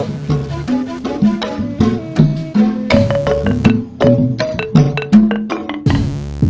oh dia itu